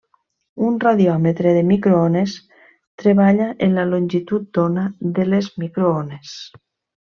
Un radiòmetre de microones treballa en la longitud d'ona de les microones.